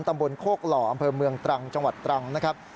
ตำบลโคกหล่ออำเภอเมืองตรังจังหวัดตรังนะครับ